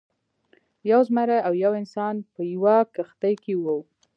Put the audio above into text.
یو زمری او یو انسان په یوه کښتۍ کې وو.